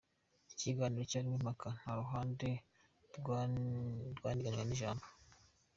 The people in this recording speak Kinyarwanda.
Ikiganiro cyarimo impaka, nta ruhande rwaniganywe ijambo.